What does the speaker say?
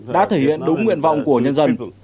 đã thể hiện đúng nguyện vọng của nhân dân